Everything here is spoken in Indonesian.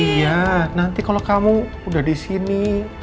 iya nanti kalau kamu udah di sini